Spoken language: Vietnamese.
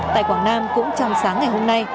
tại quảng nam cũng trong sáng ngày hôm nay